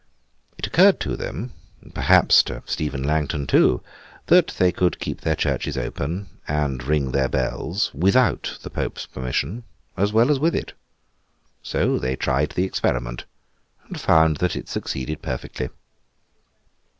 It occurred to them—perhaps to Stephen Langton too—that they could keep their churches open, and ring their bells, without the Pope's permission as well as with it. So, they tried the experiment—and found that it succeeded perfectly.